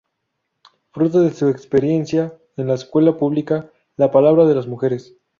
Fruto de su experiencia en la escuela publica "La palabra de las mujeres.